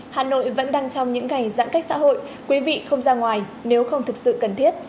hà nội vẫn đang trong những ngày giãn cách xã hội quý vị không ra ngoài nếu không thực sự cần thiết